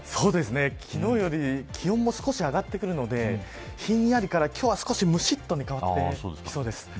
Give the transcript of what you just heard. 昨日より気温も少し上がってくるのでひんやりから今日は少しむしっとに変わってきそうです。